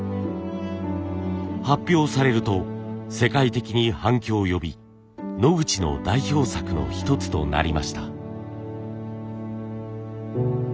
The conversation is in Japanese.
発表されると世界的に反響を呼びノグチの代表作の一つとなりました。